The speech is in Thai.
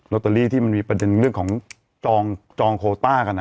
ตเตอรี่ที่มันมีประเด็นเรื่องของจองโคต้ากัน